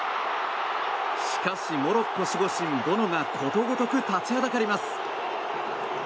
しかし、モロッコ守護神、ボノがことごとく立ちはだかります。